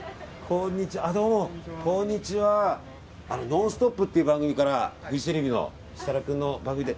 「ノンストップ！」という番組からフジテレビの設楽君の番組で。